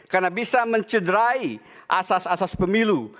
karena bisa mencederai asas asas pemilu